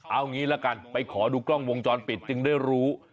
เอางี้ละกันไปขอดูกล้องวงจรปิดจึงได้รู้